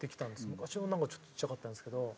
昔はちょっとちっちゃかったんですけど。